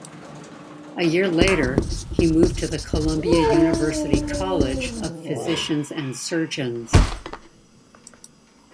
A year later he moved to the Columbia University College of Physicians and Surgeons.